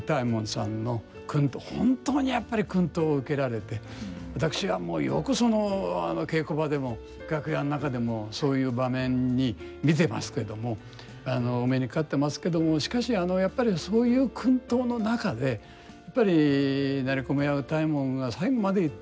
本当にやっぱり薫陶を受けられて私はよくその稽古場でも楽屋の中でもそういう場面に見てますけどもお目にかかってますけどもしかしやっぱりそういう薫陶の中でやっぱり成駒屋歌右衛門が最後まで言っていた